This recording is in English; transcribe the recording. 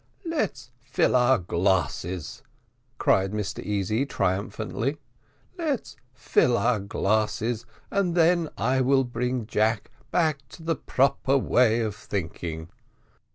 "Let's fill our glasses," cried Mr Easy triumphantly; "let's fill our glasses, and then I will bring Jack back to the proper way of thinking.